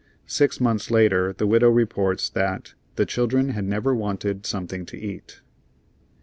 Six months later the widow reports that "the children had never wanted something to eat."